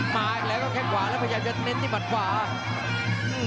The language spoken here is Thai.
มาอีกแล้วก็แค่ขวาแล้วพยายามจะเน้นที่บันก่งก่าว